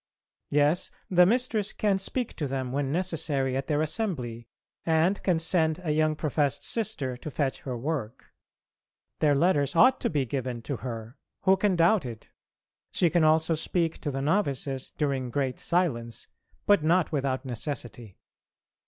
Yes, the Mistress can speak to them when necessary at their assembly and can send a young professed sister to fetch her work. Their letters ought to be given to her, who can doubt it? She can also speak to the novices during great silence but not without necessity.